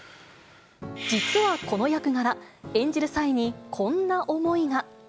実はこの役柄、演じる際にこんな思いが。